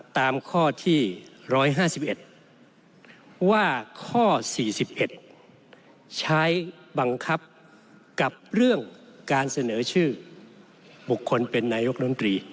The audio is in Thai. ตามข้อที่๑๕๑ว่าข้อ๔๑ใช้บังคับกับเรื่องการเสนอชื่อบุคคลเป็นนายกรัฐมนตรี